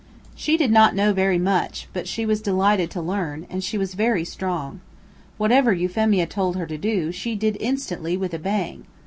She did not know very much, but she was delighted to learn, and she was very strong. Whatever Euphemia told her to do, she did instantly with a bang.